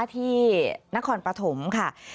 ที่นครปฐมค่ะ